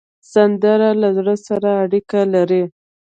سندره له زړه سره اړیکه لري